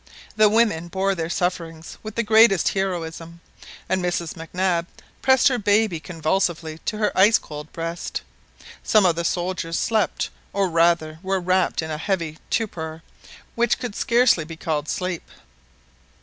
The women bore their sufferings with the greatest heroism, and Mrs Mac Nab pressed her baby convulsively to her ice cold breast. Some of the soldiers slept, or rather were wrapped in a heavy torpor, which could scarcely be called sleep.